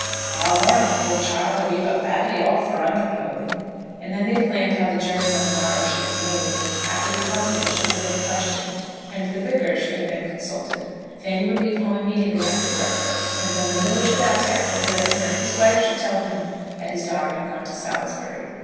I warrant the poor child 'll be but badly off for under clothing." And then they planned how the journey on the morrow should be made, after the constable should have been questioned, and the Vicar should have been consulted. Fanny would leave home immediately after breakfast, and when the miller should ask after her at dinner his wife should tell him that his daughter had gone to Salisbury.